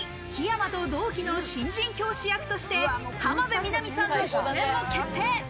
さらに樹山と同期の新人教師役として浜辺美波さんの出演も決定。